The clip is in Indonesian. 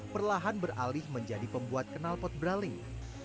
perlahan beralih menjadi pembuat kenalpot braling